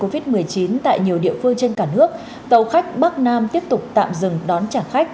covid một mươi chín tại nhiều địa phương trên cả nước tàu khách bắc nam tiếp tục tạm dừng đón trả khách